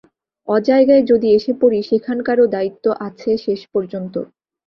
অজায়গায় যদি এসে পড়ি সেখানকারও দায়িত্ব আছে শেষ পর্যন্ত।